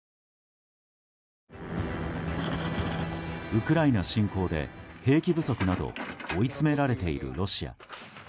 ウクライナ侵攻で兵器不足など追い詰められているロシア。